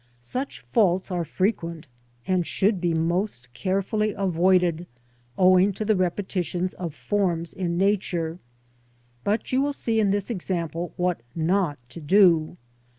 Such faults are frequent, and should be most carefully avoided owing to the repetitions of forms in Nature; but you will see in this example what not to do.